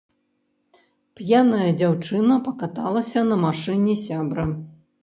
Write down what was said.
П'яная дзяўчына пакаталася на машыне сябра.